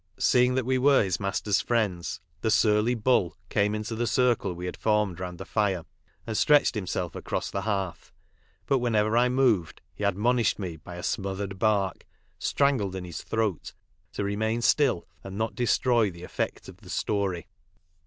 Seeing that we were his master's friends, the surly "bull" came into the circle we had formed round the fire and stretched himself across the hearth, but whenever I moved he admonished me by a smothered bark, strangled in his throat, to remain still and not destroy the effect of the story.